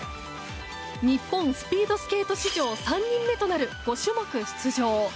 日本スピードスケート史上３人目となる５種目出場。